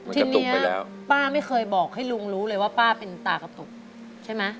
มันกระตุกไปแล้วทีนี้ป้าไม่เคยบอกให้ลุงรู้เลยว่าป้าเป็นตากระตุกใช่ไหม